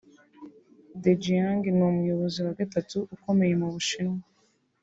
Dejiang ni umuyobozi wa gatatu ukomeye mu Bushinwa